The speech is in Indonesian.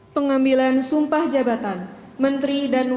pembelian sumpah jabatan